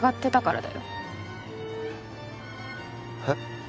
えっ？